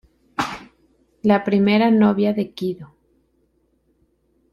La primera novia de Kido.